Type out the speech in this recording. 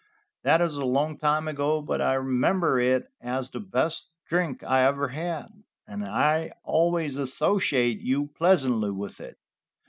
That is a long time ago, but I remember it as the best drink I ever had, and I always associate you pleasantly with it."